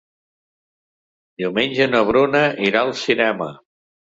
Diumenge na Bruna irà al cinema.